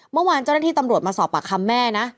เมื่อวานเจ้าหน้าที่ตำรวจมาสอบปากคำแม่นะ